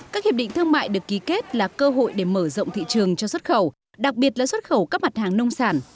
các hiệp định thương mại được ký kết là cơ hội để mở rộng thị trường cho xuất khẩu đặc biệt là xuất khẩu các mặt hàng nông sản